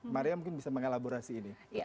maria mungkin bisa mengelaborasi ini